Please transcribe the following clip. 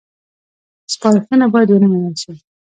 سپارښتنه باید ونه منل شي